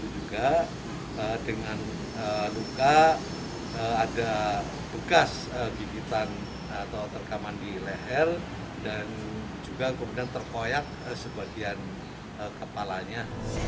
sudah tugas gigitan atau terkaman di leher dan juga kemudian terkoyak sebagian kepalanya